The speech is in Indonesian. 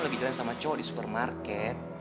lagi jalan sama cowok di supermarket